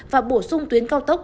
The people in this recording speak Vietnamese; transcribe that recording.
và bổ sung tuyến cao tốc